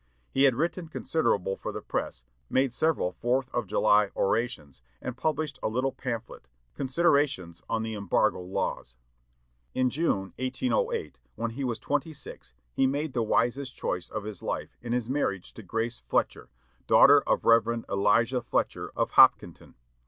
He had written considerable for the press, made several Fourth of July orations, and published a little pamphlet, "Considerations on the Embargo Laws." In June, 1808, when he was twenty six, he made the wisest choice of his life in his marriage to Grace Fletcher, daughter of Rev. Elijah Fletcher of Hopkinton.